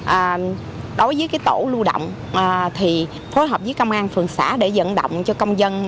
và đối với cái tổ lưu động thì phối hợp với công an phường xã để dẫn động cho công dân